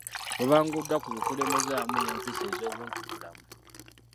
Babanguddwa ku bukulembeze awamu n’empisa ez’obuntubulamu